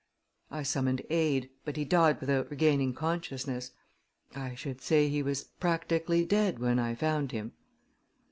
I summoned aid, but he died without regaining consciousness I should say he was practically dead when I found him."